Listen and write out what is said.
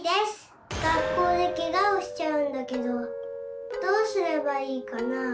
学校でケガをしちゃうんだけどどうすればいいかなあ？